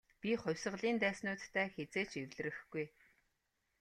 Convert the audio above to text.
Би хувьсгалын дайснуудтай хэзээ ч эвлэрэхгүй.